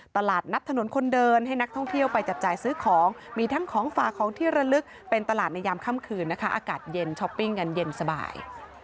ตลาดนัดถนนคนเดินให้นักท่องเที่ยวไปจับจ่ายซื้อของมีทั้งของฝากของที่ระลึกเป็นตลาดในยามค่ำคืนนะคะอากาศเย็นช้อปปิ้งกันเย็นสบาย